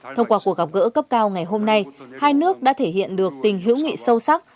thông qua cuộc gặp gỡ cấp cao ngày hôm nay hai nước đã thể hiện được tình hữu nghị sâu sắc